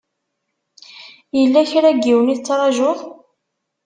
Yella kra n yiwen i tettṛajuḍ?